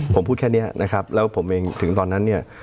ผมพูดแค่นี้นะครับแล้วผมเองถึงตอนนั้นเนี่ย